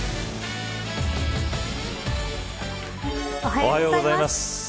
おはようございます。